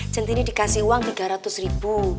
centini dikasih uang tiga ratus ribu